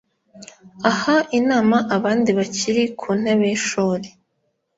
Aha inama abandi bakiri ku ntebe y’ishuri